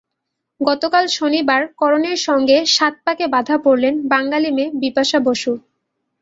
গতকাল শনিবার করণের সঙ্গে সাত পাকে বাঁধা পড়লেন বাঙালি মেয়ে বিপাশা বসু।